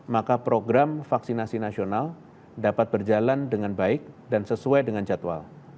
maka program vaksinasi nasional dapat berjalan dengan baik dan sesuai dengan jadwal